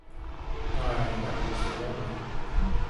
Ay, that was the rub.